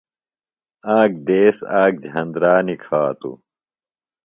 آک دیس آک جھندرا نِکھاتوۡ۔